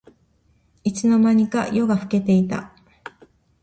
いつの間にか夜が更けていた